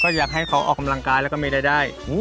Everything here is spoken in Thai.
อยากให้เขาออกกำลังกายแล้วก็ไม่ได้ได้